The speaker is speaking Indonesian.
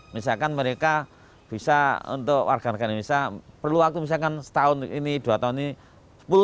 misalkan mereka bisa untuk warga negara indonesia perlu waktu misalkan setahun ini dua tahun ini sepuluh tahun